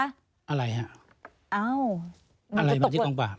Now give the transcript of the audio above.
อะไรครับ